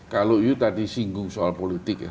kalau yu tadi singgung soal politik ya